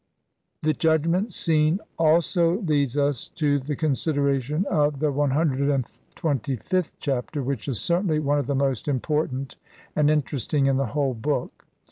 The Judgment Scene also leads us to the con sideration of the CXXVth Chapter, which is certainly one of the most important and interesting in the whole book.